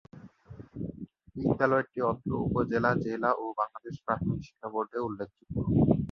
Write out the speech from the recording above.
বিদ্যালয়টি অত্র উপজেলা, জেলা ও বাংলাদেশ প্রাথমিক শিক্ষা বোর্ডে উল্লেখযোগ্য।